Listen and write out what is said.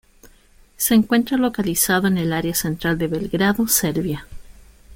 Se encuentra localizado en el área central de Belgrado, Serbia.